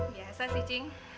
biasa sih cing